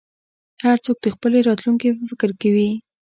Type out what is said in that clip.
هر څوک د خپلې راتلونکې په فکر کې وي.